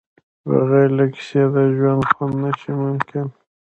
بغیر له کیسې د ژوند خوند نشي ممکن.